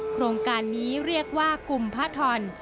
โครงการนี้เรียกว่ากลุ่มพระทอน